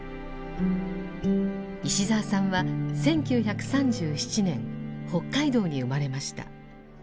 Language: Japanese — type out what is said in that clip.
石澤さんは１９３７年北海道に生まれました。